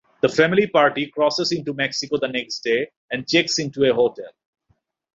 The family party crosses into Mexico the next day and checks into a hotel.